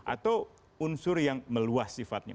atau unsur yang meluas sifatnya